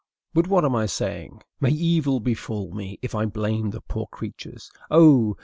But what am I saying? May evil befall me, if I blame the poor creatures! Oh!